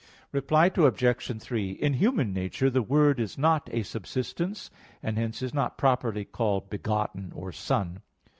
Reply Obj. 3: In human nature the word is not a subsistence, and hence is not properly called begotten or son.